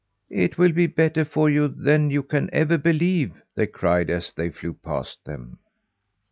"It will be better for you than you can ever believe," they cried as they flew past them.